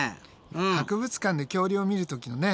博物館で恐竜を見る時のね